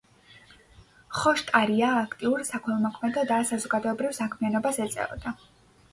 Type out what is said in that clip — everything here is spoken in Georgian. ხოშტარია აქტიურ საქველმოქმედო და საზოგადოებრივ საქმიანობას ეწეოდა.